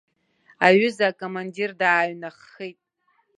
Аҩыза акомандир дааҩнаххит!